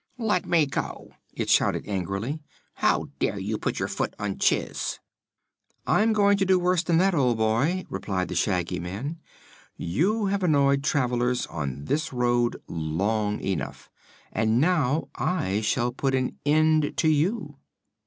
"Let me go!" it shouted angrily. "How dare you put your foot on Chiss?" "I'm going to do worse than that, old boy," replied the Shaggy Man. "You have annoyed travelers on this road long enough, and now I shall put an end to you."